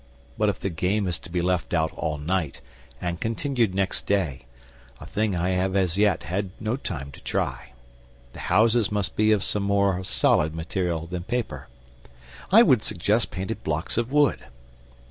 But if the game is to be left out all night and continued next day (a thing I have as yet had no time to try), the houses must be of some more solid material than paper. I would suggest painted blocks of wood.